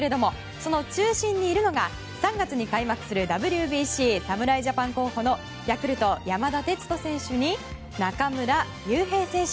その中心にいるのが３月に開幕するＷＢＣ侍ジャパン候補のヤクルト山田哲人選手に中村悠平選手。